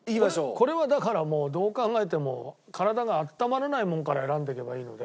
これはだからもうどう考えても体が温まらないものから選んでいけばいいので。